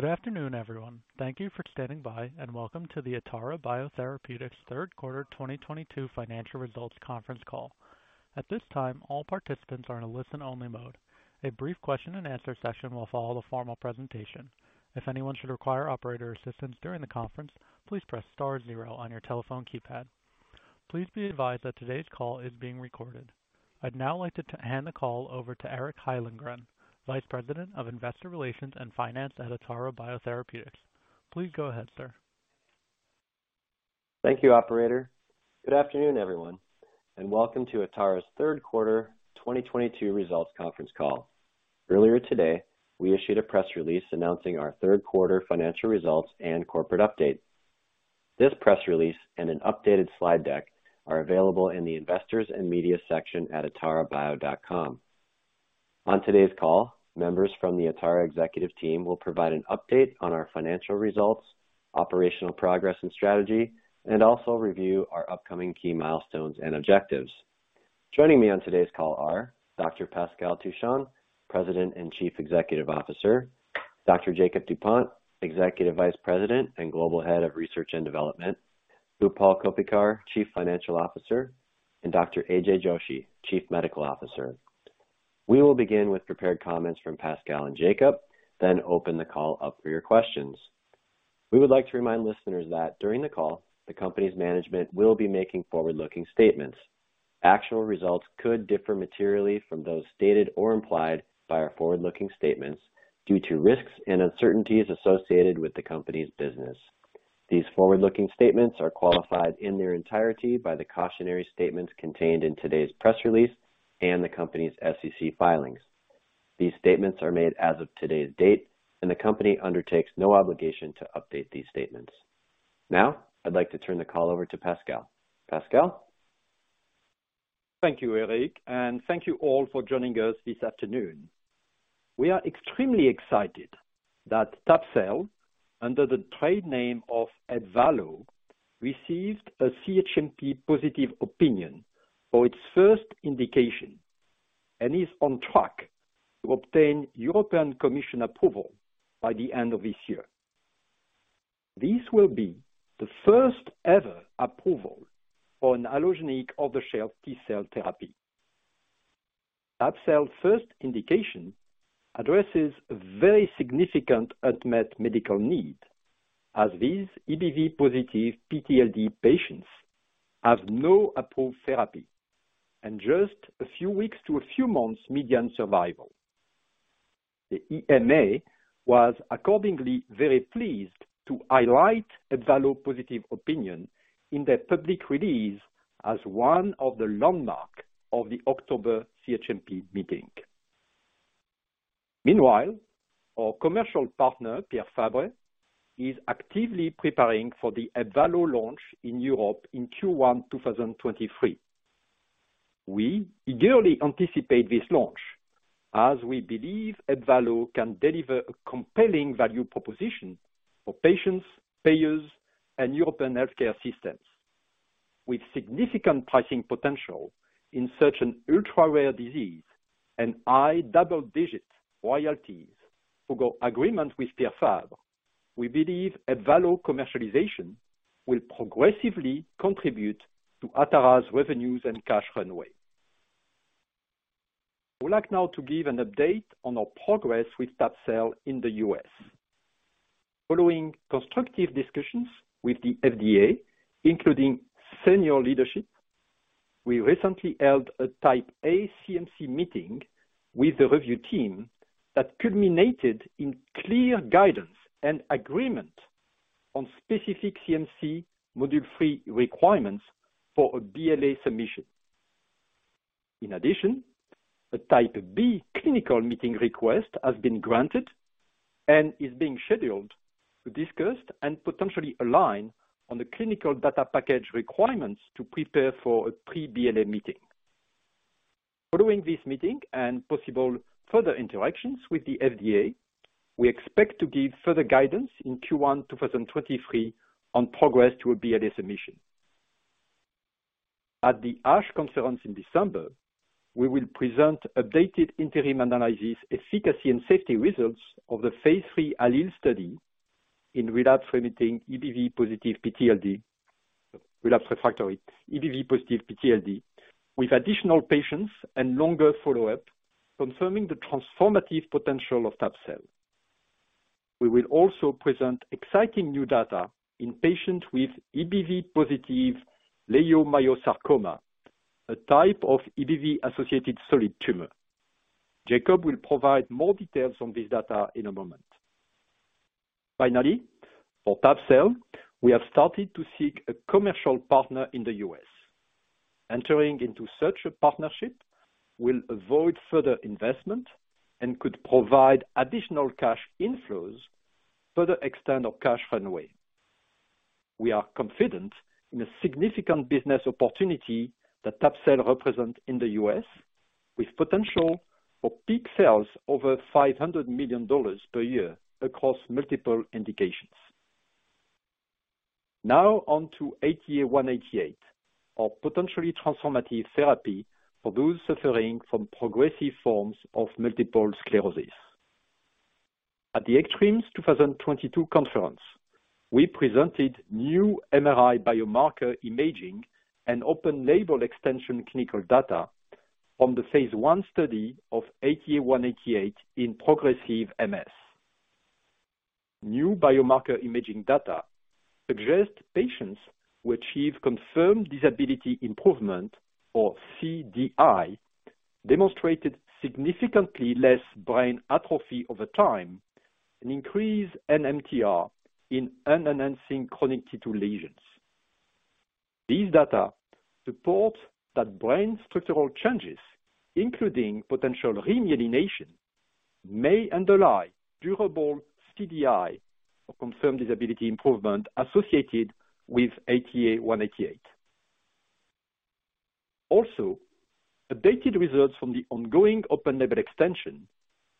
Good afternoon, everyone. Thank you for standing by, and welcome to the Atara Biotherapeutics Third Quarter 2022 Financial Results Conference Call. At this time, all participants are in a listen-only mode. A brief question and answer session will follow the formal presentation. If anyone should require operator assistance during the conference, please press star zero on your telephone keypad. Please be advised that today's call is being recorded. I'd now like to hand the call over to Eric Hyllengren, Vice President of Investor Relations and Finance at Atara Biotherapeutics. Please go ahead, sir. Thank you, operator. Good afternoon, everyone, and welcome to Atara's Third Quarter 2022 Results Conference Call. Earlier today, we issued a press release announcing our third quarter financial results and corporate update. This press release and an updated slide deck are available in the Investors and Media section at atarabio.com. On today's call, members from the Atara executive team will provide an update on our financial results, operational progress and strategy, and also review our upcoming key milestones and objectives. Joining me on today's call are Dr. Pascal Touchon, President and Chief Executive Officer, Dr. Jakob Dupont, Executive Vice President and Global Head of Research and Development, Utpal Koppikar, Chief Financial Officer, and Dr. AJ Joshi, Chief Medical Officer. We will begin with prepared comments from Pascal and Jakob, then open the call up for your questions. We would like to remind listeners that during the call, the company's management will be making forward-looking statements. Actual results could differ materially from those stated or implied by our forward-looking statements due to risks and uncertainties associated with the company's business. These forward-looking statements are qualified in their entirety by the cautionary statements contained in today's press release and the company's SEC filings. These statements are made as of today's date, the company undertakes no obligation to update these statements. I'd like to turn the call over to Pascal. Pascal? Thank you, Eric, thank you all for joining us this afternoon. We are extremely excited that TAB cell, under the trade name of Ebvallo, received a CHMP positive opinion for its first indication and is on track to obtain European Commission approval by the end of this year. This will be the first ever approval for an allogeneic off-the-shelf T-cell therapy. TAB cell's first indication addresses a very significant unmet medical need, as these EBV positive PTLD patients have no approved therapy and just a few weeks to a few months median survival. The EMA was accordingly very pleased to highlight Ebvallo positive opinion in their public release as one of the landmark of the October CHMP meeting. Meanwhile, our commercial partner, Pierre Fabre, is actively preparing for the Ebvallo launch in Europe in Q1 2023. We eagerly anticipate this launch as we believe Ebvallo can deliver a compelling value proposition for patients, payers, and European healthcare systems. With significant pricing potential in such an ultra-rare disease and high double-digit royalties for our agreement with Pierre Fabre, we believe Ebvallo commercialization will progressively contribute to Atara's revenues and cash runway. I would like now to give an update on our progress with TAB cell in the U.S. Following constructive discussions with the FDA, including senior leadership, we recently held a Type A CMC meeting with the review team that culminated in clear guidance and agreement on specific CMC module three requirements for a BLA submission. In addition, a Type B clinical meeting request has been granted and is being scheduled to discuss and potentially align on the clinical data package requirements to prepare for a pre-BLA meeting. Following this meeting and possible further interactions with the FDA, we expect to give further guidance in Q1 2023 on progress to a BLA submission. At the ASH conference in December, we will present updated interim analysis efficacy and safety results of the phase III ALLELE study in relapse refractory EBV-positive PTLD, with additional patients and longer follow-up, confirming the transformative potential of TAB cell. We will also present exciting new data in patients with EBV-positive leiomyosarcoma, a type of EBV associated solid tumor. Jakob will provide more details on this data in a moment. Finally, for TAB cell, we have started to seek a commercial partner in the U.S. Entering into such a partnership will avoid further investment and could provide additional cash inflows, further extend our cash runway. We are confident in a significant business opportunity that TAB cell represents in the U.S., with potential for peak sales over $500 million per year across multiple indications. Now on to ATA188, our potentially transformative therapy for those suffering from progressive forms of multiple sclerosis. At the ECTRIMS 2022 conference, we presented new MRI biomarker imaging and open label extension clinical data on the phase I study of ATA188 in progressive MS. New biomarker imaging data suggest patients who achieve confirmed disability improvement, or CDI, demonstrated significantly less brain atrophy over time, an increased MTR in unenhancing quality to lesions. These data support that brain structural changes, including potential remyelination, may underlie durable CDI, or confirmed disability improvement, associated with ATA188. Also, updated results from the ongoing open label extension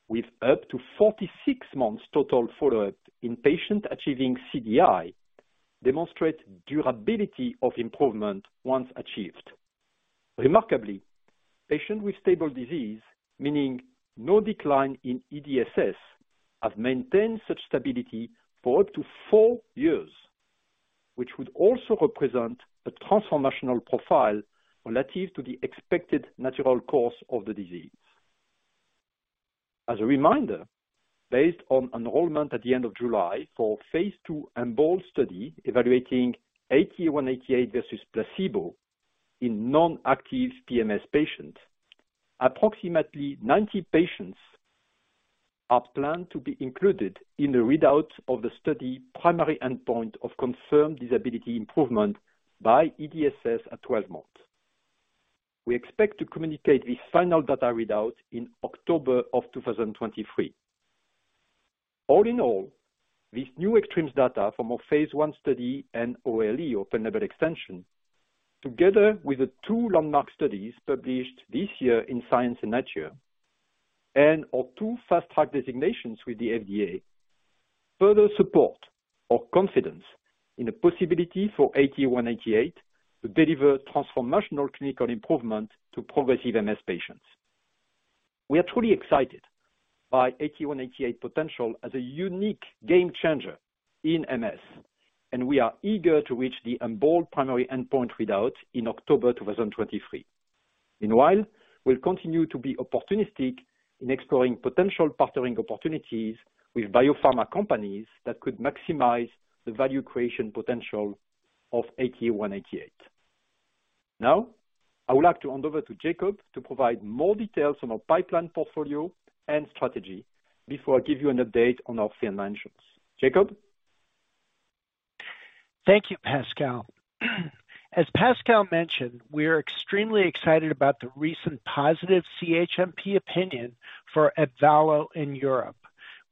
with up to 46 months total follow-up in patient achieving CDI demonstrate durability of improvement once achieved. Remarkably, patient with stable disease, meaning no decline in EDSS, have maintained such stability for up to four years, which would also represent a transformational profile relative to the expected natural course of the disease. As a reminder, based on enrollment at the end of July for phase II EMBOLD study evaluating ATA188 versus placebo in non-active PMS patients, approximately 90 patients are planned to be included in the readout of the study primary endpoint of confirmed disability improvement by EDSS at 12 months. We expect to communicate this final data readout in October of 2023. All in all, this new ECTRIMS data from our phase I study and OLE, open-label extension, together with the two landmark studies published this year in "Science" and "Nature," and our two fast track designations with the FDA, further support our confidence in the possibility for ATA188 to deliver transformational clinical improvement to progressive MS patients. We are truly excited by ATA188 potential as a unique game changer in MS, and we are eager to reach the EMBOLD primary endpoint readout in October 2023. Meanwhile, we'll continue to be opportunistic in exploring potential partnering opportunities with biopharma companies that could maximize the value creation potential of ATA188. Now I would like to hand over to Jakob to provide more details on our pipeline portfolio and strategy before I give you an update on our financial. Jakob? Thank you, Pascal. As Pascal mentioned, we are extremely excited about the recent positive CHMP opinion for Ebvallo in Europe.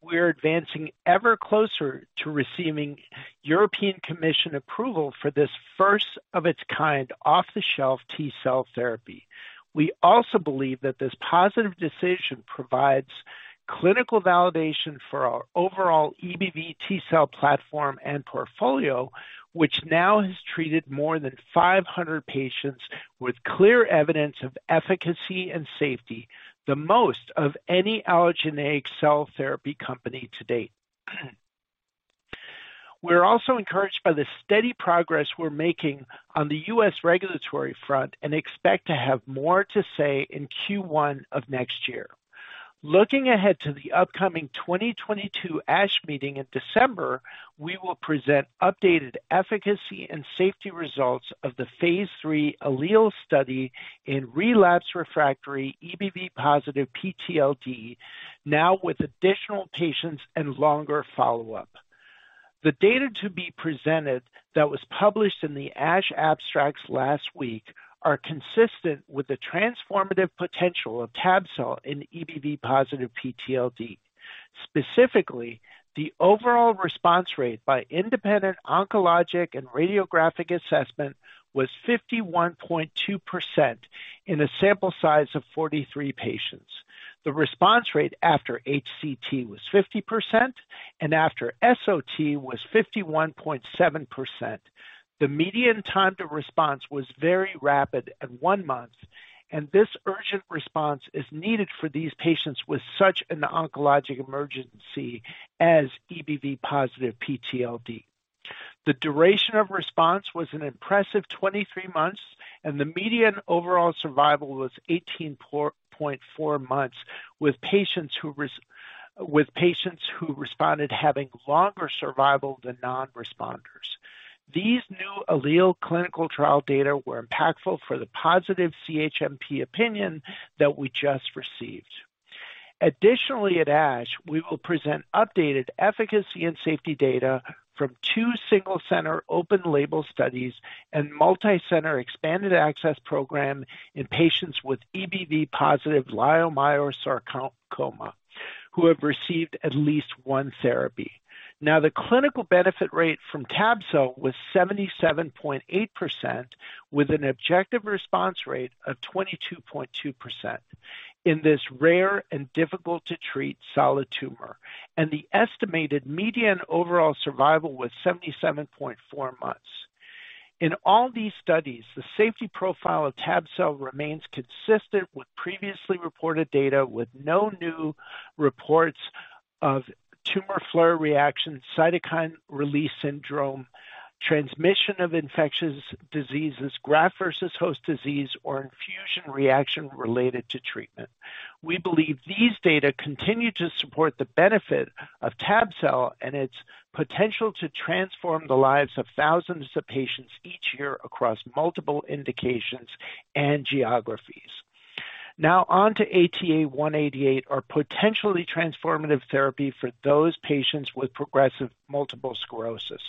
We're advancing ever closer to receiving European Commission approval for this first of its kind off-the-shelf T-cell therapy. We also believe that this positive decision provides clinical validation for our overall EBV T-cell platform and portfolio, which now has treated more than 500 patients with clear evidence of efficacy and safety, the most of any allogeneic cell therapy company to date. We're also encouraged by the steady progress we're making on the U.S. regulatory front and expect to have more to say in Q1 of next year. Looking ahead to the upcoming 2022 ASH Meeting in December, we will present updated efficacy and safety results of the phase III ALLELE study in relapse refractory EBV-positive PTLD, now with additional patients and longer follow-up. The data to be presented that was published in the ASH abstracts last week are consistent with the transformative potential of tabcel in EBV-positive PTLD. Specifically, the overall response rate by independent oncologic and radiographic assessment was 51.2% in a sample size of 43 patients. The response rate after HCT was 50%, and after SOT was 51.7%. The median time to response was very rapid at one month, and this urgent response is needed for these patients with such an oncologic emergency as EBV-positive PTLD. The duration of response was an impressive 23 months, and the median overall survival was 18.4 months with patients who responded having longer survival than non-responders. These new ALLELE clinical trial data were impactful for the positive CHMP opinion that we just received. Additionally, at ASH, we will present updated efficacy and safety data from two single-center open-label studies and multi-center expanded access program in patients with EBV-positive leiomyosarcoma who have received at least one therapy. The clinical benefit rate from tabcel was 77.8% with an objective response rate of 22.2% in this rare and difficult to treat solid tumor, and the estimated median overall survival was 77.4 months. In all these studies, the safety profile of tabcel remains consistent with previously reported data, with no new reports of tumor flare reactions, cytokine release syndrome, transmission of infectious diseases, graft versus host disease, or infusion reaction related to treatment. We believe these data continue to support the benefit of tabcel and its potential to transform the lives of thousands of patients each year across multiple indications and geographies. On to ATA188, our potentially transformative therapy for those patients with progressive multiple sclerosis.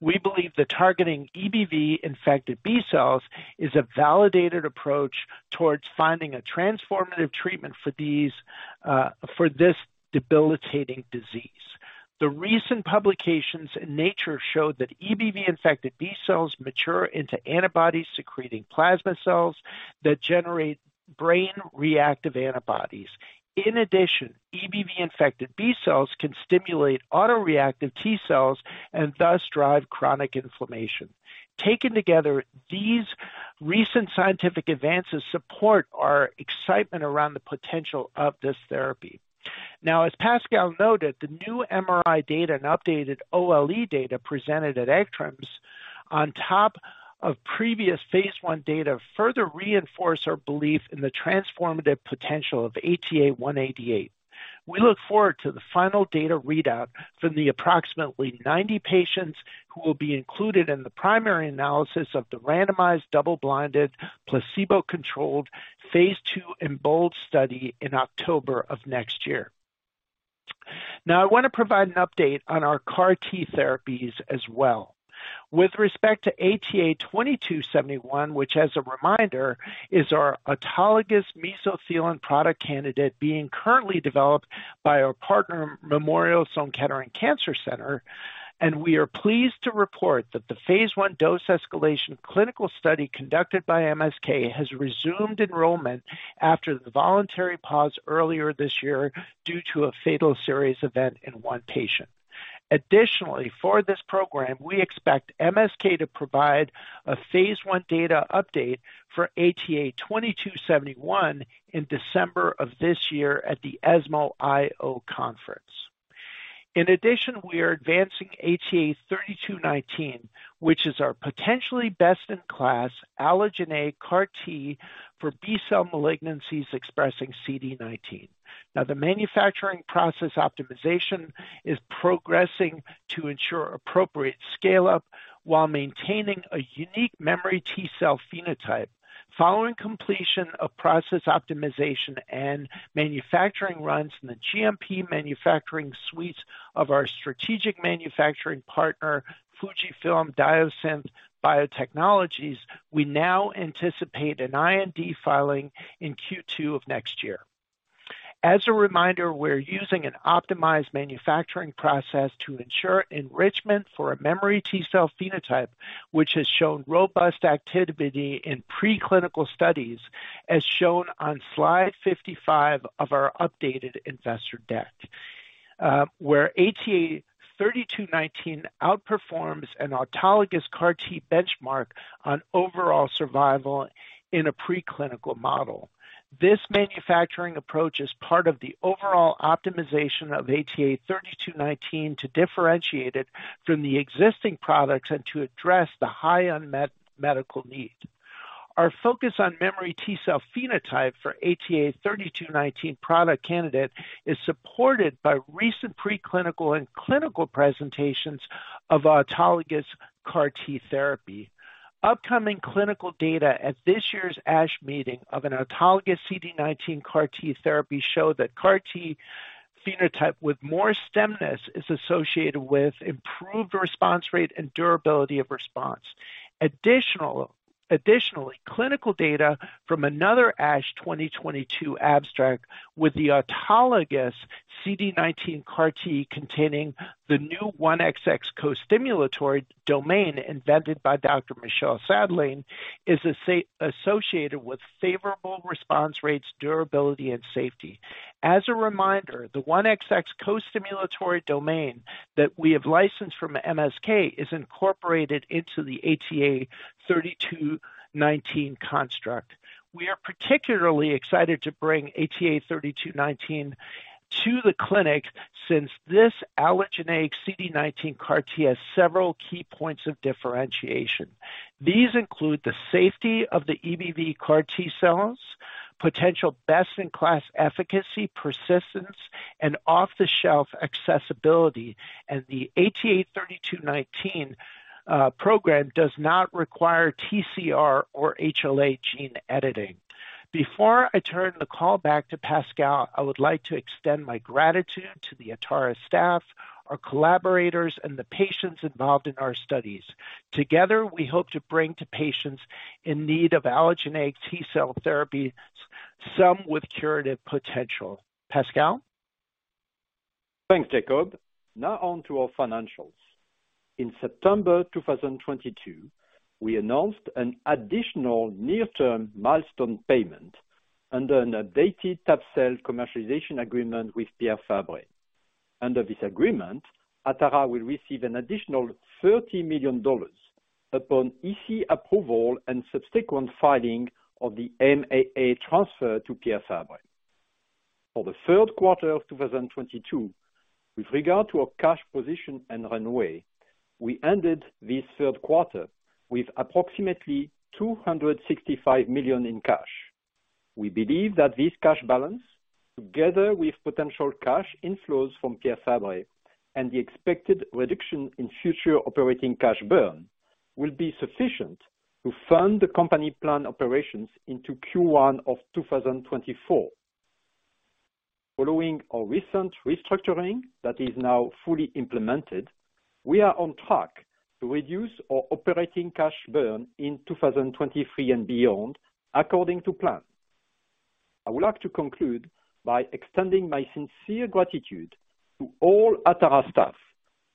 We believe that targeting EBV-infected B cells is a validated approach towards finding a transformative treatment for this debilitating disease. The recent publications in Nature showed that EBV-infected B cells mature into antibody-secreting plasma cells that generate brain-reactive antibodies. In addition, EBV-infected B cells can stimulate autoreactive T cells and thus drive chronic inflammation. Taken together, these recent scientific advances support our excitement around the potential of this therapy. As Pascal noted, the new MRI data and updated OLE data presented at ECTRIMS on top of previous phase I data, further reinforce our belief in the transformative potential of ATA188. We look forward to the final data readout from the approximately 90 patients who will be included in the primary analysis of the randomized, double-blinded, placebo-controlled phase II EMBOLD study in October of next year. I want to provide an update on our CAR T therapies as well. With respect to ATA2271, which as a reminder, is our autologous mesothelin product candidate being currently developed by our partner, Memorial Sloan Kettering Cancer Center. We are pleased to report that the phase I dose escalation clinical study conducted by MSK has resumed enrollment after the voluntary pause earlier this year due to a fatal serious event in one patient. Additionally, for this program, we expect MSK to provide a phase I data update for ATA2271 in December of this year at the ESMO IO conference. In addition, we are advancing ATA3219, which is our potentially best-in-class allogeneic CAR T for B-cell malignancies expressing CD19. The manufacturing process optimization is progressing to ensure appropriate scale-up while maintaining a unique memory T cell phenotype. Following completion of process optimization and manufacturing runs in the GMP manufacturing suites of our strategic manufacturing partner, FUJIFILM Diosynth Biotechnologies, we now anticipate an IND filing in Q2 of next year. As a reminder, we're using an optimized manufacturing process to ensure enrichment for a memory T cell phenotype, which has shown robust activity in preclinical studies, as shown on slide 55 of our updated investor deck, where ATA3219 outperforms an autologous CAR T benchmark on overall survival in a preclinical model. This manufacturing approach is part of the overall optimization of ATA3219 to differentiate it from the existing products and to address the high unmet medical need. Our focus on memory T cell phenotype for ATA3219 product candidate is supported by recent preclinical and clinical presentations of autologous CAR T therapy. Upcoming clinical data at this year's ASH meeting of an autologous CD19 CAR T therapy show that CAR T phenotype with more stemness is associated with improved response rate and durability of response. Additionally, clinical data from another ASH 2022 abstract with the autologous CD19 CAR T containing the new 1XX co-stimulatory domain invented by Dr. Michel Sadelain, is associated with favorable response rates, durability, and safety. As a reminder, the 1XX co-stimulatory domain that we have licensed from MSK is incorporated into the ATA3219 construct. We are particularly excited to bring ATA3219 to the clinic since this allogeneic CD19 CAR T has several key points of differentiation. These include the safety of the EBV CAR T cells, potential best-in-class efficacy, persistence, and off-the-shelf accessibility. The ATA3219 program does not require TCR or HLA gene editing. Before I turn the call back to Pascal, I would like to extend my gratitude to the Atara staff, our collaborators, and the patients involved in our studies. Together, we hope to bring to patients in need of allogeneic T-cell therapy, some with curative potential. Pascal? Thanks, Jakob. Now on to our financials. In September 2022, we announced an additional near-term milestone payment under an updated tab-cel commercialization agreement with Pierre Fabre. Under this agreement, Atara will receive an additional $30 million upon EC approval and subsequent filing of the MAA transfer to Pierre Fabre. For the third quarter of 2022, with regard to our cash position and runway, we ended this third quarter with approximately $265 million in cash. We believe that this cash balance, together with potential cash inflows from Pierre Fabre and the expected reduction in future operating cash burn, will be sufficient to fund the company plan operations into Q1 of 2024. Following our recent restructuring that is now fully implemented, we are on track to reduce our operating cash burn in 2023 and beyond according to plan. I would like to conclude by extending my sincere gratitude to all Atara staff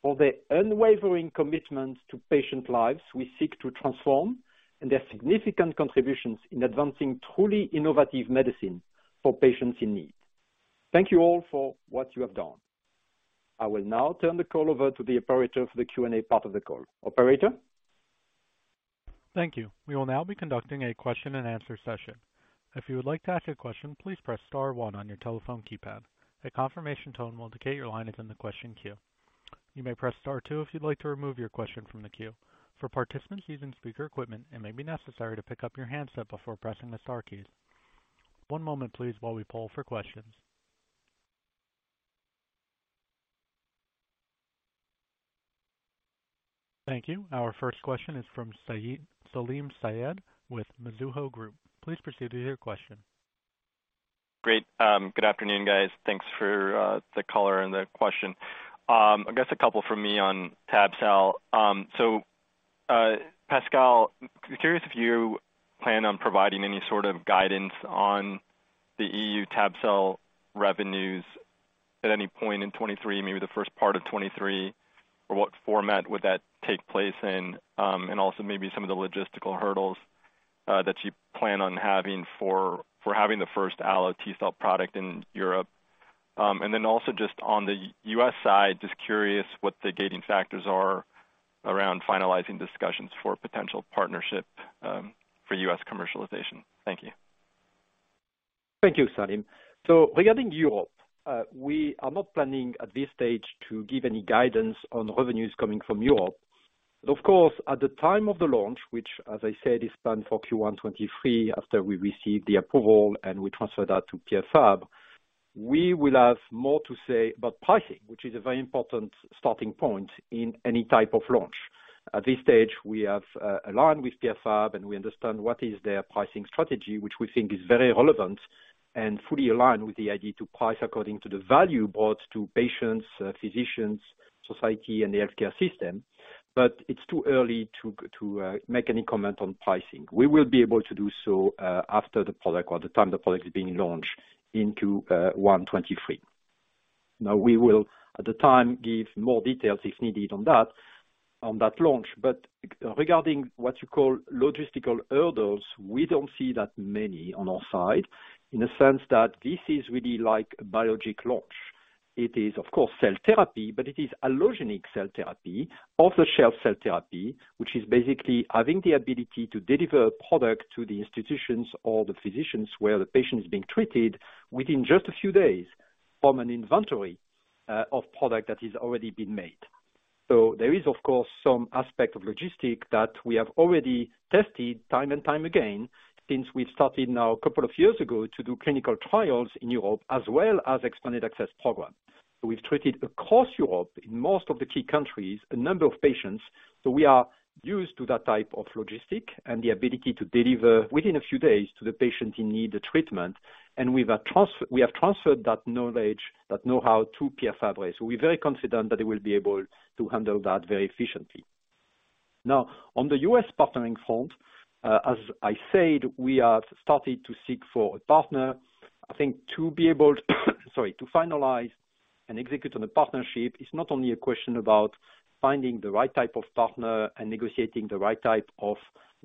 for their unwavering commitment to patient lives we seek to transform, and their significant contributions in advancing truly innovative medicine for patients in need. Thank you all for what you have done. I will now turn the call over to the operator for the Q&A part of the call. Operator? Thank you. We will now be conducting a question and answer session. If you would like to ask a question, please press star one on your telephone keypad. A confirmation tone will indicate your line is in the question queue. You may press star two if you'd like to remove your question from the queue. For participants using speaker equipment, it may be necessary to pick up your handset before pressing the star keys. One moment please while we poll for questions. Thank you. Our first question is from Salim Syed with Mizuho Group. Please proceed with your question. Great. Good afternoon, guys. Thanks for the call and the question. I guess a couple from me on Tab-cel. Pascal, curious if you plan on providing any sort of guidance on the EU Tab-cel revenues at any point in 2023, maybe the first part of 2023, or what format would that take place in? Maybe some of the logistical hurdles that you plan on having for having the first allo T-cell product in Europe. Just on the U.S. side, just curious what the gating factors are around finalizing discussions for potential partnership for U.S. commercialization. Thank you. Thank you, Salim. Regarding Europe, we are not planning at this stage to give any guidance on revenues coming from Europe. Of course, at the time of the launch, which as I said, is planned for Q1 2023 after we receive the approval and we transfer that to Pierre Fabre, we will have more to say about pricing, which is a very important starting point in any type of launch. At this stage, we have aligned with Pierre Fabre, and we understand what is their pricing strategy, which we think is very relevant and fully aligned with the idea to price according to the value brought to patients, physicians, society, and the healthcare system. It's too early to make any comment on pricing. We will be able to do so after the product is being launched in Q1 2023. We will, at the time, give more details if needed on that launch. Regarding what you call logistical hurdles, we don't see that many on our side in a sense that this is really like a biologic launch. It is, of course, cell therapy, but it is allogeneic cell therapy, off-the-shelf cell therapy, which is basically having the ability to deliver a product to the institutions or the physicians where the patient is being treated within just a few days from an inventory of product that has already been made. There is, of course, some aspect of logistic that we have already tested time and time again since we've started now a couple of years ago to do clinical trials in Europe, as well as expanded access program. We've treated across Europe in most of the key countries, a number of patients, so we are used to that type of logistic and the ability to deliver within a few days to the patient in need the treatment. We have transferred that knowledge, that know-how, to Pierre Fabre. We're very confident that they will be able to handle that very efficiently. On the U.S. partnering front, as I said, we have started to seek for a partner. I think to be able to finalize and execute on the partnership, it's not only a question about finding the right type of partner and negotiating the right type of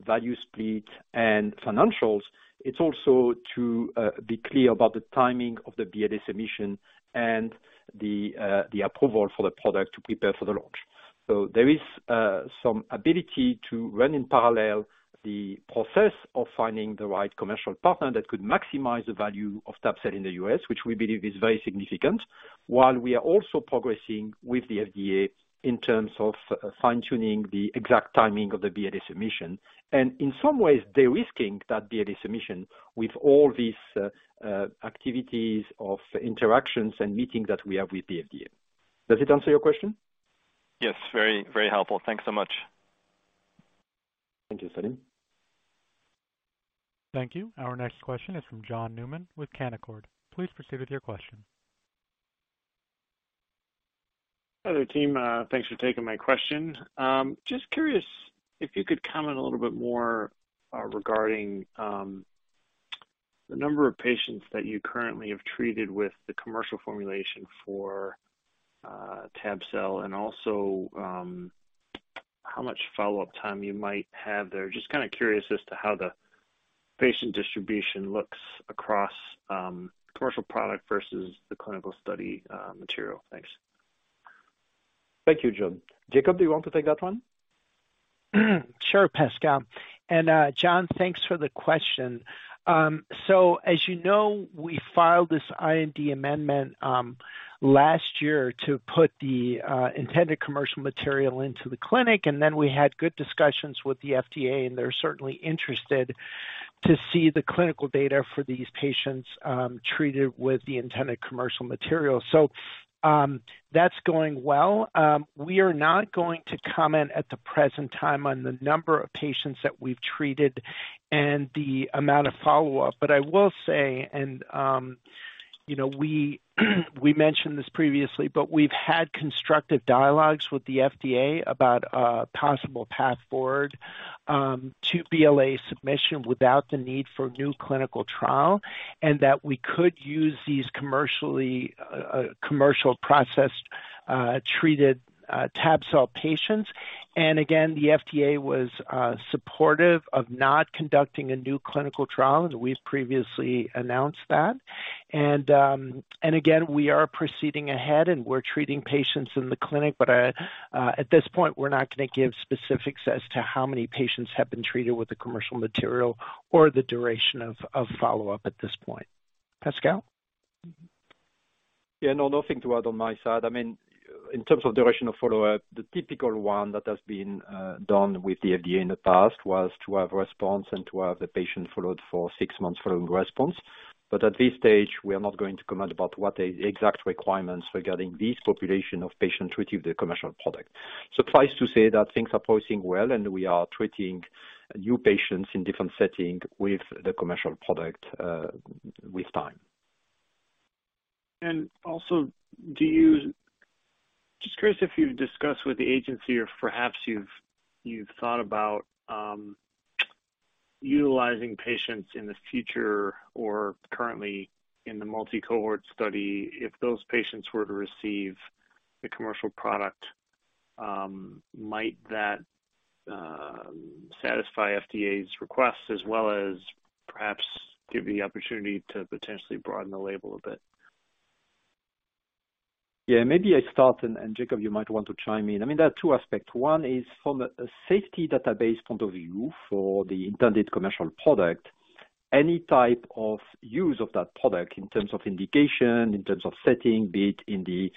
value split and financials. It's also to be clear about the timing of the BLA submission and the approval for the product to prepare for the launch. There is some ability to run in parallel the process of finding the right commercial partner that could maximize the value of Tab-cel in the U.S., which we believe is very significant, while we are also progressing with the FDA in terms of fine-tuning the exact timing of the BLA submission. In some ways, de-risking that BLA submission with all these activities of interactions and meetings that we have with the FDA. Does it answer your question? Yes. Very helpful. Thanks so much. Thank you, Salim. Thank you. Our next question is from John Newman with Canaccord. Please proceed with your question. Hi there, team. Thanks for taking my question. Just curious if you could comment a little bit more regarding the number of patients that you currently have treated with the commercial formulation for Tab-cel, and also how much follow-up time you might have there. Just curious as to how the patient distribution looks across commercial product versus the clinical study material. Thanks. Thank you, John. Jakob, do you want to take that one? Sure, Pascal. John, thanks for the question. As you know, we filed this IND amendment last year to put the intended commercial material into the clinic, and then we had good discussions with the FDA, and they're certainly interested to see the clinical data for these patients treated with the intended commercial material. That's going well. We are not going to comment at the present time on the number of patients that we've treated and the amount of follow-up. I will say, and we mentioned this previously, but we've had constructive dialogues with the FDA about a possible path forward to BLA submission without the need for a new clinical trial, and that we could use these commercial processed treated Tab-cel patients. Again, the FDA was supportive of not conducting a new clinical trial, as we've previously announced that. Again, we are proceeding ahead, and we're treating patients in the clinic. At this point, we're not going to give specifics as to how many patients have been treated with the commercial material or the duration of follow-up at this point. Pascal? Yeah, no. Nothing to add on my side. In terms of direction of follow-up, the typical one that has been done with the FDA in the past was to have response and to have the patient followed for 6 months following response. At this stage, we are not going to comment about what the exact requirements regarding this population of patients treated with the commercial product. Suffice to say that things are progressing well, and we are treating new patients in different setting with the commercial product with time. Also, just curious if you've discussed with the agency or perhaps you've thought about utilizing patients in the future or currently in the multi-cohort study. If those patients were to receive the commercial product, might that satisfy FDA's requests as well as perhaps give the opportunity to potentially broaden the label a bit? Yeah, maybe I start, and Jakob, you might want to chime in. There are two aspects. One is from a safety database point of view for the intended commercial product. Any type of use of that product in terms of indication, in terms of setting, be it in the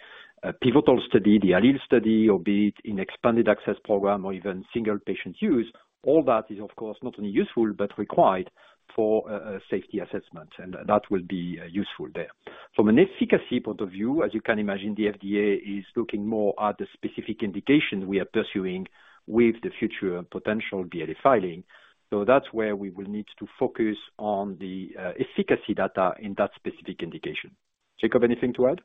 pivotal study, the ALLELE study, or be it in expanded access program or even single patient use, all that is, of course, not only useful but required for a safety assessment, and that will be useful there. From an efficacy point of view, as you can imagine, the FDA is looking more at the specific indication we are pursuing with the future potential BLA filing. That's where we will need to focus on the efficacy data in that specific indication. Jakob, anything to add?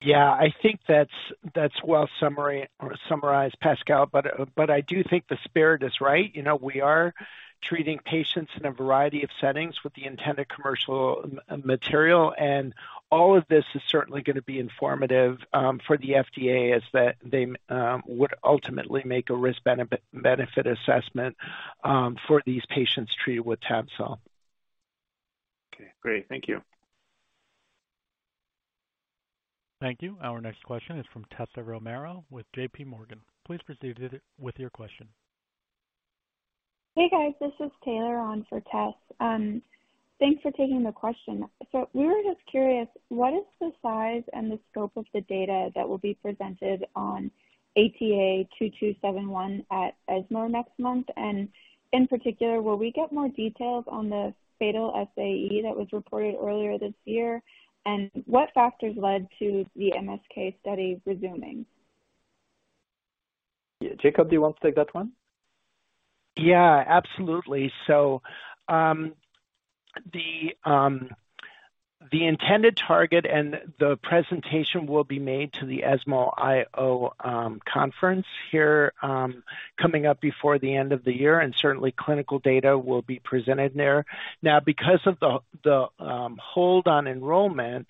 Yeah, I think that's well summarized, Pascal. I do think the spirit is right. We are treating patients in a variety of settings with the intended commercial material, and all of this is certainly going to be informative for the FDA as they would ultimately make a risk-benefit assessment for these patients treated with Tabcel. Okay, great. Thank you. Thank you. Our next question is from Tessa Romero with JP Morgan. Please proceed with your question. Hey, guys. This is Taylor on for Tess. Thanks for taking the question. We were just curious, what is the size and the scope of the data that will be presented on ATA2271 at ESMO next month? In particular, will we get more details on the fatal SAE that was reported earlier this year? What factors led to the MSK study resuming? Yeah. Jakob, do you want to take that one? Yeah, absolutely. The intended target and the presentation will be made to the ESMO IO conference here coming up before the end of the year, certainly, clinical data will be presented there. Because of the hold on enrollment,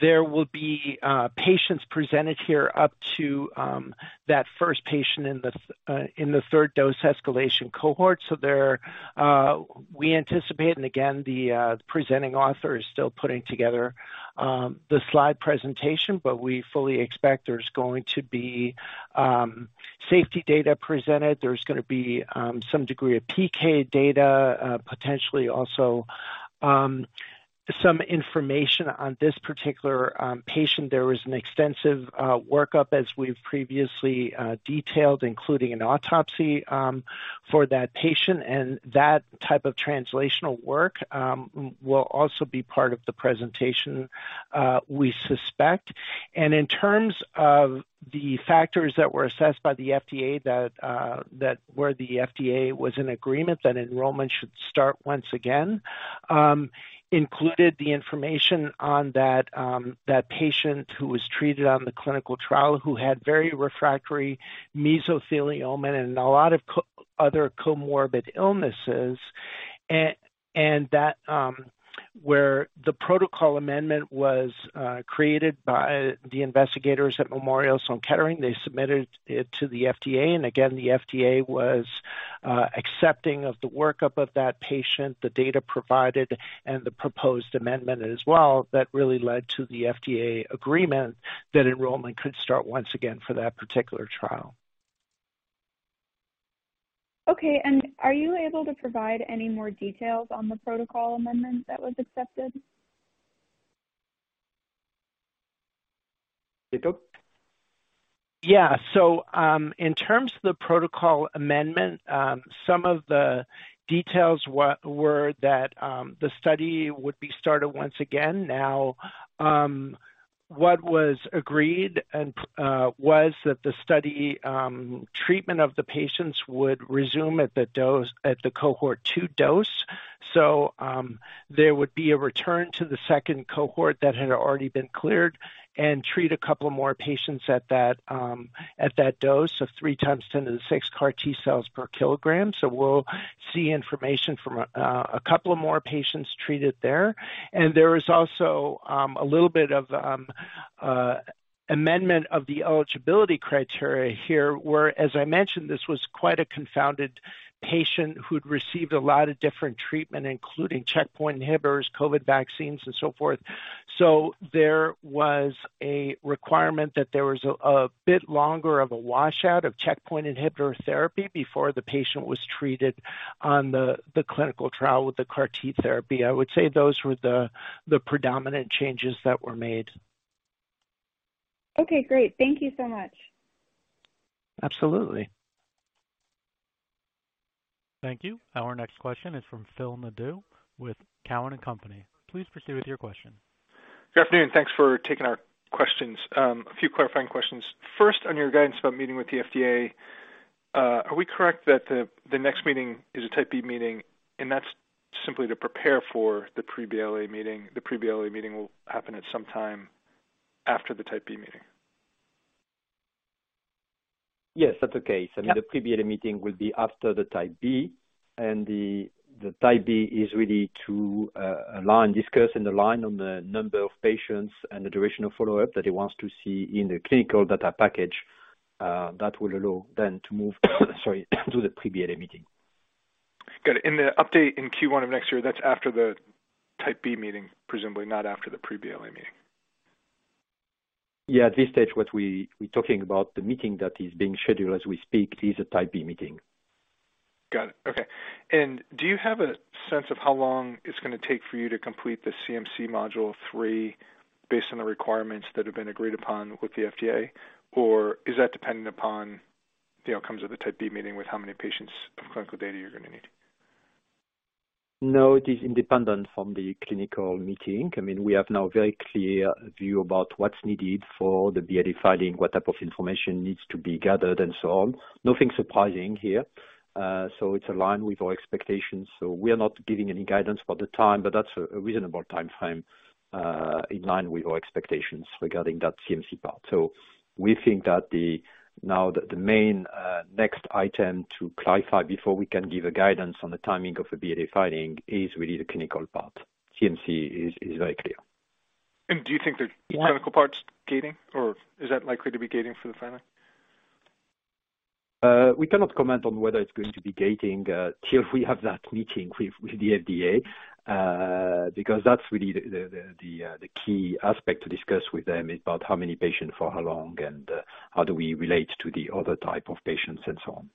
there will be patients presented here up to that first patient in the third dose escalation cohort. We anticipate, again, the presenting author is still putting together the slide presentation, but we fully expect there's going to be safety data presented. There's going to be some degree of PK data, potentially also some information on this particular patient. There was an extensive workup, as we've previously detailed, including an autopsy for that patient, that type of translational work will also be part of the presentation, we suspect. In terms of the factors that were assessed by the FDA that where the FDA was in agreement that enrollment should start once again, included the information on that patient who was treated on the clinical trial, who had very refractory mesothelioma and a lot of other comorbid illnesses. Where the protocol amendment was created by the investigators at Memorial Sloan Kettering, they submitted it to the FDA, the FDA was accepting of the workup of that patient, the data provided, the proposed amendment as well, that really led to the FDA agreement that enrollment could start once again for that particular trial. Okay. Are you able to provide any more details on the protocol amendment that was accepted? Dupont? Yeah. In terms of the protocol amendment, some of the details were that the study would be started once again. What was agreed was that the study treatment of the patients would resume at the cohort 2 dose. There would be a return to the second cohort that had already been cleared and treat a couple more patients at that dose of 3 times 10 to the 6 CAR T cells per kilogram. We'll see information from a couple of more patients treated there. There is also a little bit of amendment of the eligibility criteria here, where, as I mentioned, this was quite a confounded patient who'd received a lot of different treatment, including checkpoint inhibitors, COVID vaccines, and so forth. There was a requirement that there was a bit longer of a washout of checkpoint inhibitor therapy before the patient was treated on the clinical trial with the CAR T therapy. I would say those were the predominant changes that were made. Okay, great. Thank you so much. Absolutely. Thank you. Our next question is from Philip Nadeau with Cowen and Company. Please proceed with your question. Good afternoon. Thanks for taking our questions. A few clarifying questions. First, on your guidance about meeting with the FDA, are we correct that the next meeting is a type B meeting and that is simply to prepare for the pre-BLA meeting? The pre-BLA meeting will happen at some time after the type B meeting. Yes, that's the case. Yeah. I mean, the pre-BLA meeting will be after the type B. The type B is really to align, discuss and align on the number of patients and the duration of follow-up that he wants to see in the clinical data package. That will allow to move to the pre-BLA meeting. Got it. In the update in Q1 of next year, that's after the type B meeting, presumably not after the pre-BLA meeting. Yeah. At this stage, what we're talking about, the meeting that is being scheduled as we speak is a type B meeting. Got it. Okay. Do you have a sense of how long it's going to take for you to complete the CMC module 3 based on the requirements that have been agreed upon with the FDA? Or is that dependent upon the outcomes of the Type B meeting with how many patients of clinical data you're going to need? It is independent from the clinical meeting. We have now very clear view about what's needed for the BLA filing, what type of information needs to be gathered, and so on. Nothing surprising here. It's aligned with our expectations. We are not giving any guidance for the time, but that's a reasonable timeframe, in line with our expectations regarding that CMC part. We think that now the main next item to clarify before we can give a guidance on the timing of the BLA filing is really the clinical part. CMC is very clear. Do you think the clinical part's gating, or is that likely to be gating for the filing? We cannot comment on whether it's going to be gating till we have that meeting with the FDA, because that's really the key aspect to discuss with them, about how many patients, for how long, and how do we relate to the other type of patients, and so on.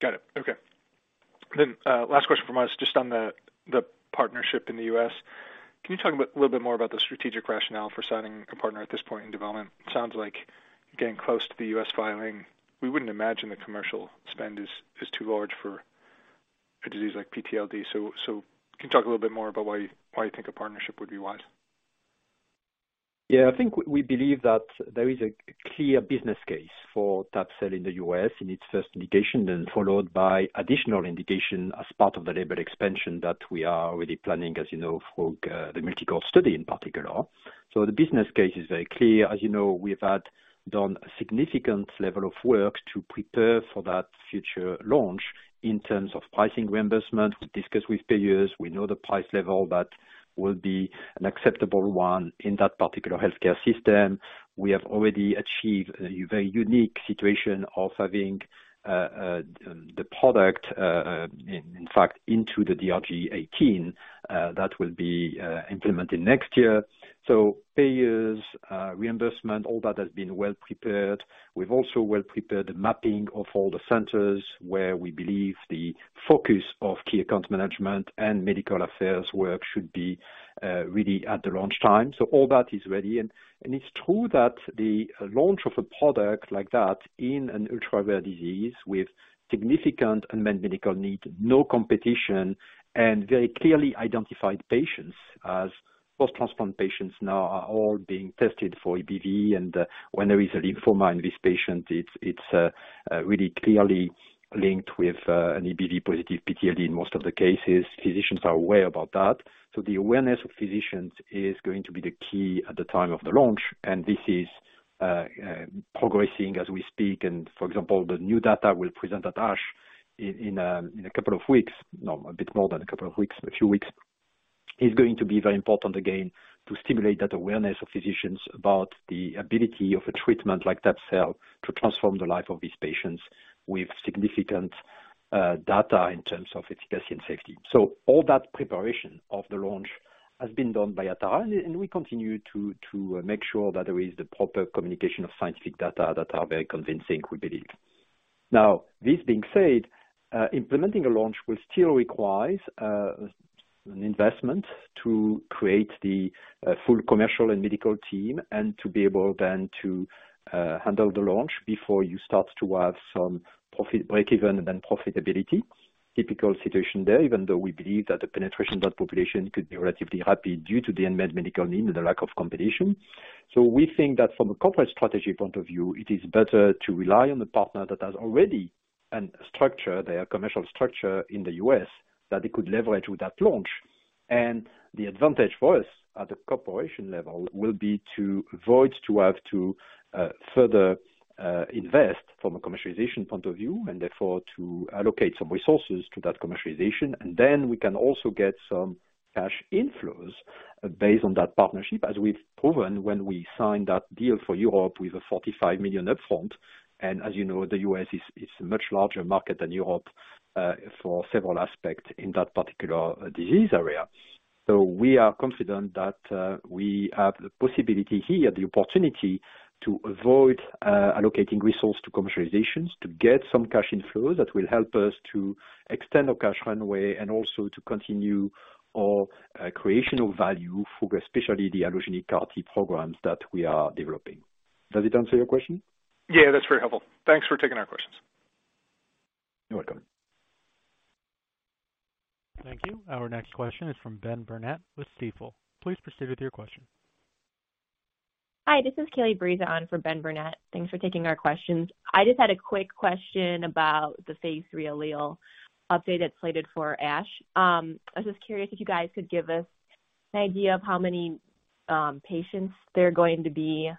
Got it. Okay. Last question from us, just on the partnership in the U.S. Can you talk a little bit more about the strategic rationale for signing a partner at this point in development? Sounds like getting close to the U.S. filing. We wouldn't imagine the commercial spend is too large for a disease like PTLD. Can you talk a little bit more about why you think a partnership would be wise? I think we believe that there is a clear business case for that cell in the U.S. in its first indication, followed by additional indication as part of the label expansion that we are already planning, as you know, for the multi-cohort study in particular. The business case is very clear. As you know, we've done a significant level of work to prepare for that future launch in terms of pricing reimbursement. We discuss with payers. We know the price level that will be an acceptable one in that particular healthcare system. We have already achieved a very unique situation of having the product, in fact, into the MS-DRG 18 that will be implemented next year. Payers, reimbursement, all that has been well prepared. We've also well prepared the mapping of all the centers where we believe the focus of key account management and medical affairs work should be really at the launch time. All that is ready, and it's true that the launch of a product like that in an ultra-rare disease with significant unmet medical need, no competition, and very clearly identified patients as post-transplant patients now are all being tested for EBV, and when there is a lymphoma in this patient, it's really clearly linked with an EBV positive PTLD in most of the cases. Physicians are aware about that. The awareness of physicians is going to be the key at the time of the launch, and this is progressing as we speak. For example, the new data we'll present at ASH in a few weeks is going to be very important, again, to stimulate that awareness of physicians about the ability of a treatment like that cell to transform the life of these patients with significant data in terms of efficacy and safety. All that preparation of the launch has been done by Atara, we continue to make sure that there is the proper communication of scientific data that are very convincing, we believe. This being said, implementing a launch will still require an investment to create the full commercial and medical team, to be able to handle the launch before you start to have some breakeven, profitability. Typical situation there, even though we believe that the penetration of that population could be relatively high due to the unmet medical need and the lack of competition. We think that from a corporate strategy point of view, it is better to rely on the partner that has already a structure, their commercial structure in the U.S. that they could leverage with that launch. The advantage for us at the cooperation level will be to avoid to have to further invest from a commercialization point of view, and therefore, to allocate some resources to that commercialization. Then we can also get some cash inflows based on that partnership, as we've proven when we signed that deal for Europe with a €45 million up front. As you know, the U.S. is a much larger market than Europe for several aspects in that particular disease area. We are confident that we have the possibility here, the opportunity to avoid allocating resource to commercializations, to get some cash inflow that will help us to extend our cash runway and also to continue our creational value for especially the allogeneic CAR T programs that we are developing. Does it answer your question? Yeah, that's very helpful. Thanks for taking our questions. You're welcome. Thank you. Our next question is from Benjamin Burnett with Stifel. Please proceed with your question. Hi, this is Kailie Briza on for Benjamin Burnett. Thanks for taking our questions. I just had a quick question about the Phase III ALLELE update that is slated for ASH. I was just curious if you guys could give us an idea of how many patients there are going to be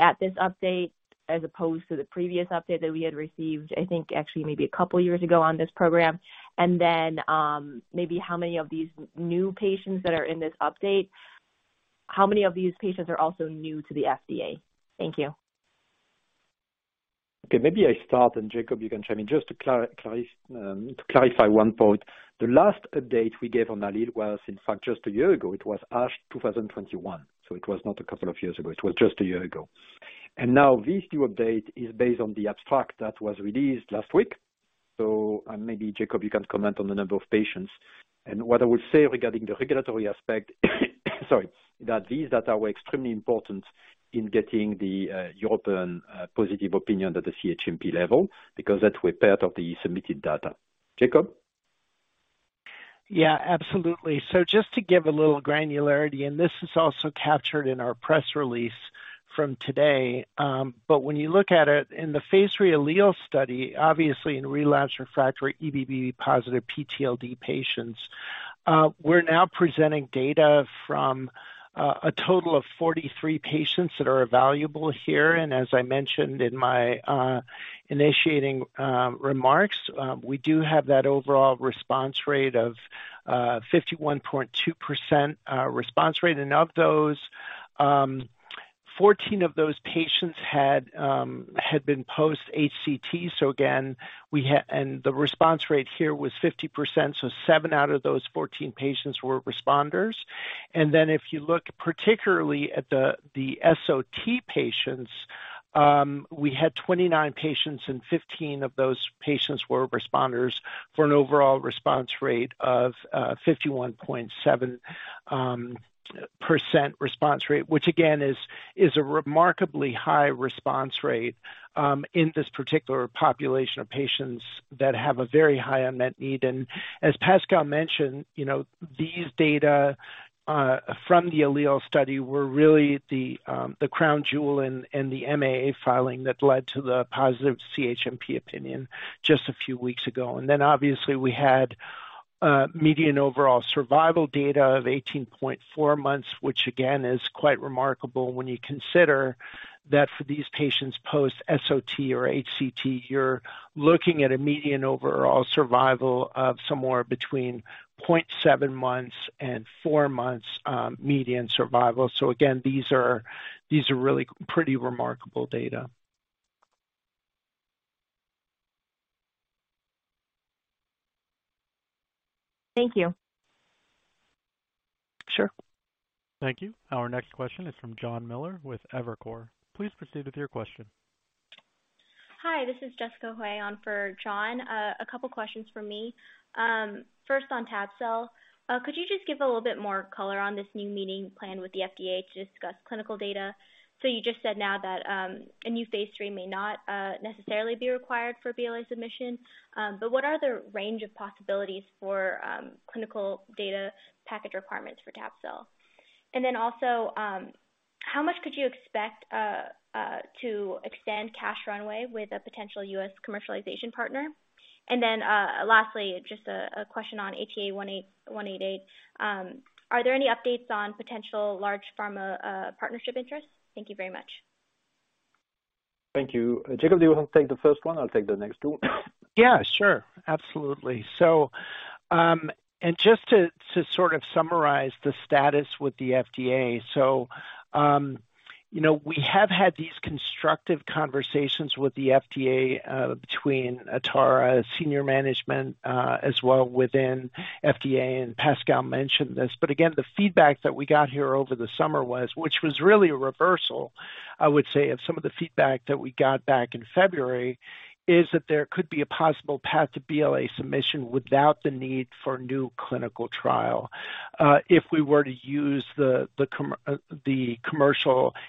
at this update as opposed to the previous update that we had received, I think actually maybe a couple of years ago on this program. Then maybe how many of these new patients that are in this update, how many of these patients are also new to the FDA? Thank you. Okay, maybe I start, Jakob, you can chime in just to clarify one point. The last update we gave on ALLELE was in fact just a year ago. It was ASH 2021, it was not a couple of years ago, it was just a year ago. Now this new update is based on the abstract that was released last week. Maybe Jakob, you can comment on the number of patients. What I would say regarding the regulatory aspect sorry, that these data were extremely important in getting the European positive opinion at the CHMP level, because that was part of the submitted data. Jakob? Yeah, absolutely. Just to give a little granularity, this is also captured in our press release from today. When you look at it, in the Phase III ALLELE study, obviously in relapsed/refractory EBV-positive PTLD patients, we are now presenting data from a total of 43 patients that are evaluable here. As I mentioned in my initiating remarks, we do have that overall response rate of 51.2% response rate. Of those, 14 of those patients had been post HCT. The response rate here was 50%, so seven out of those 14 patients were responders. If you look particularly at the SOT patients, we had 29 patients and 15 of those patients were responders for an overall response rate of 51.7% response rate, which again is a remarkably high response rate in this particular population of patients that have a very high unmet need. As Pascal mentioned, these data from the ALLELE study were really the crown jewel in the MAA filing that led to the positive CHMP opinion just a few weeks ago. Obviously we had median overall survival data of 18.4 months, which again, is quite remarkable when you consider that for these patients post SOT or HCT, you are looking at a median overall survival of somewhere between 0.7 months and four months median survival. Again, these are really pretty remarkable data. Thank you. Sure. Thank you. Our next question is from Jonathan Miller with Evercore. Please proceed with your question. Hi, this is Jessica Hui on for John. A couple questions from me. First on Tab-cel. Could you just give a little bit more color on this new meeting plan with the FDA to discuss clinical data? You just said now that a new phase III may not necessarily be required for BLA submission. What are the range of possibilities for clinical data package requirements for Tab-cel? Also, how much could you expect to extend cash runway with a potential U.S. commercialization partner? Lastly, just a question on ATA188. Are there any updates on potential large pharma partnership interest? Thank you very much. Thank you. Jakob, do you want to take the first one? I'll take the next two. Yeah, sure. Absolutely. Just to sort of summarize the status with the FDA. We have had these constructive conversations with the FDA, between Atara senior management, as well within FDA, and Pascal mentioned this. Again, the feedback that we got here over the summer was, which was really a reversal, I would say, of some of the feedback that we got back in February, is that there could be a possible path to BLA submission without the need for a new clinical trial, if we were to use the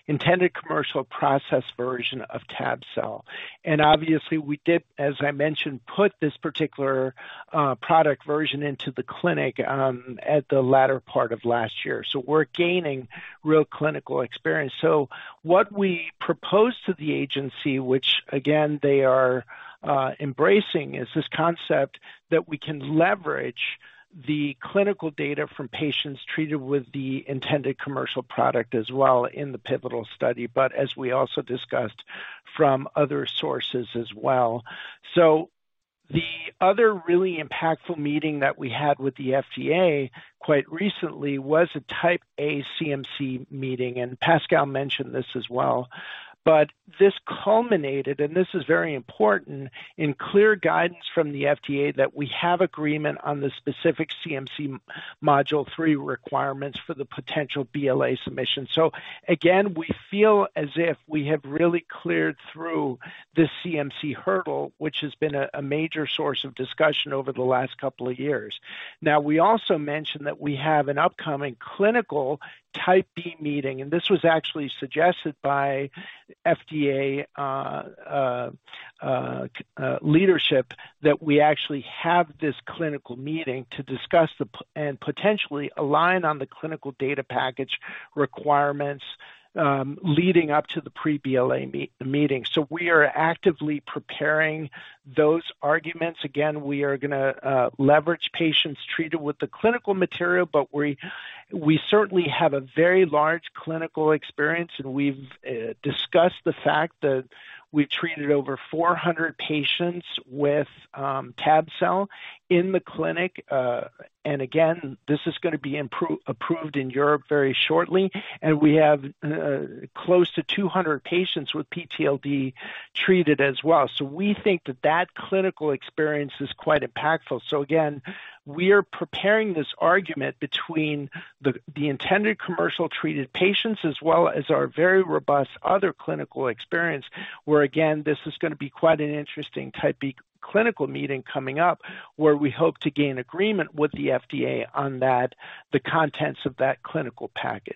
intended commercial process version of tab-cel. Obviously we did, as I mentioned, put this particular product version into the clinic at the latter part of last year. We're gaining real clinical experience. What we propose to the agency, which again, they are embracing, is this concept that we can leverage the clinical data from patients treated with the intended commercial product as well in the pivotal study, but as we also discussed from other sources as well. The other really impactful meeting that we had with the FDA quite recently was a type A CMC meeting, Pascal mentioned this as well, but this culminated, and this is very important, in clear guidance from the FDA that we have agreement on the specific CMC module three requirements for the potential BLA submission. Again, we feel as if we have really cleared through this CMC hurdle, which has been a major source of discussion over the last couple of years. We also mentioned that we have an upcoming clinical type B meeting, this was actually suggested by FDA leadership that we actually have this clinical meeting to discuss and potentially align on the clinical data package requirements, leading up to the pre-BLA meeting. We are actively preparing those arguments. Again, we are going to leverage patients treated with the clinical material, but we certainly have a very large clinical experience and we've discussed the fact that we've treated over 400 patients with tab-cel in the clinic. Again, this is going to be approved in Europe very shortly, and we have close to 200 patients with PTLD treated as well. We think that that clinical experience is quite impactful. Again, we are preparing this argument between the intended commercial treated patients as well as our very robust other clinical experience, where again, this is going to be quite an interesting type B clinical meeting coming up, where we hope to gain agreement with the FDA on the contents of that clinical package.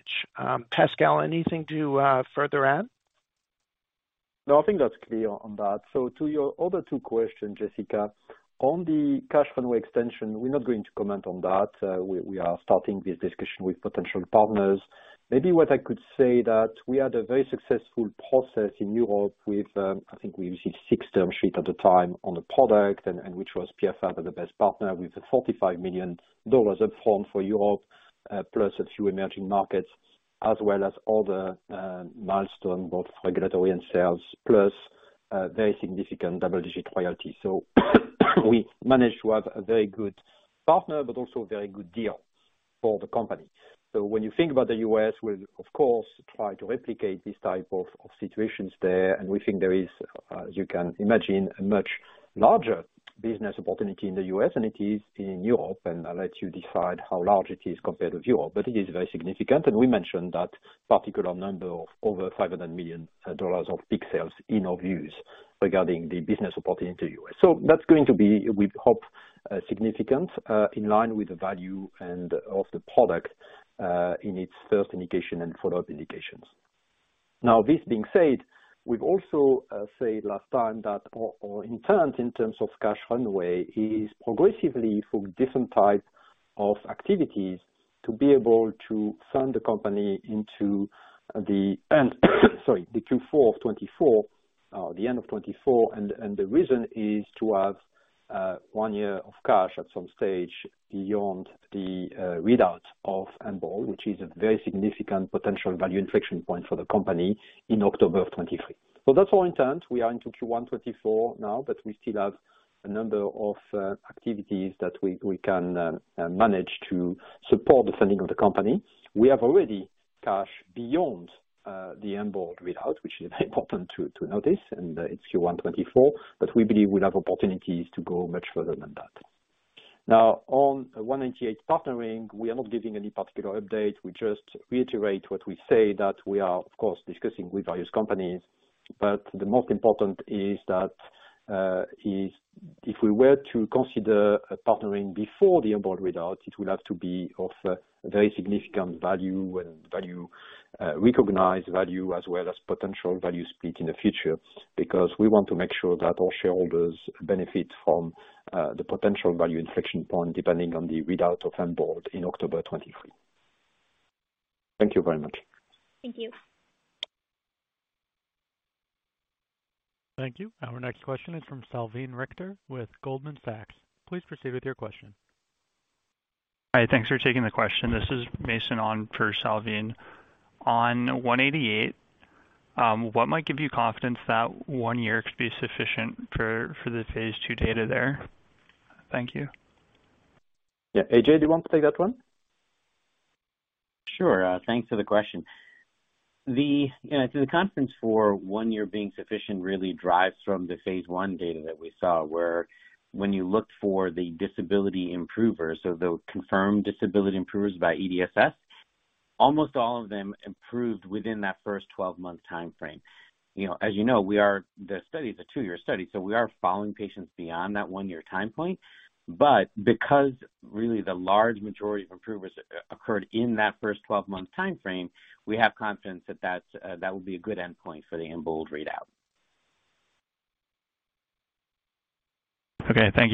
Pascal, anything to further add? No, I think that's clear on that. To your other two questions, Jessica, on the cash runway extension, we're not going to comment on that. We are starting this discussion with potential partners. Maybe what I could say that we had a very successful process in Europe with, I think we received six term sheet at the time on the product, and which was Pierre Fabre the best partner with the EUR 45 million up front for Europe, plus a few emerging markets, as well as other milestones, both regulatory and sales, plus very significant double-digit royalties. We managed to have a very good partner, but also a very good deal for the company. When you think about the U.S., we'll of course try to replicate these type of situations there, we think there is, as you can imagine, a much larger business opportunity in the U.S. than it is in Europe, I'll let you decide how large it is compared with Europe, but it is very significant. We mentioned that particular number of over $500 million of peak sales in our views regarding the business opportunity U.S. That's going to be, we hope, significant, in line with the value and of the product, in its first indication and follow-up indications. This being said, we've also said last time that our intent in terms of cash runway is progressively through different types of activities to be able to fund the company into the end, sorry, the Q4 of 2024, the end of 2024. The reason is to have one year of cash at some stage beyond the readout of EMBOLD, which is a very significant potential value inflection point for the company in October of 2023. That's our intent. We are into Q1 2024 now, but we still have a number of activities that we can manage to support the funding of the company. We have already cash beyond the EMBOLD readout, which is very important to notice, and it's Q1 2024, but we believe we'll have opportunities to go much further than that. On 188 partnering, we are not giving any particular update. We just reiterate what we say that we are of course discussing with various companies. The most important is that, if we were to consider a partnering before the EMBOLD readout, it will have to be of a very significant value and recognized value as well as potential value split in the future, because we want to make sure that our shareholders benefit from the potential value inflection point depending on the readout of EMBOLD in October 2023. Thank you very much. Thank you. Thank you. Our next question is from Salveen Richter with Goldman Sachs. Please proceed with your question. Hi, thanks for taking the question. This is Mason on for Salveen. On 188, what might give you confidence that one year could be sufficient for the phase II data there? Thank you. Yeah. AJ, do you want to take that one? Sure. Thanks for the question. The confidence for one year being sufficient really derives from the phase I data that we saw where when you looked for the disability improvers or the confirmed disability improvers by EDSS, almost all of them improved within that first 12-month timeframe. As you know, the study is a two-year study, we are following patients beyond that one-year time point. Because really the large majority of improvements occurred in that first 12-month timeframe, we have confidence that that will be a good endpoint for the EMBOLD readout. Okay, thanks.